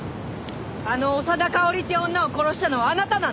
あの長田かおりっていう女を殺したのはあなたなの？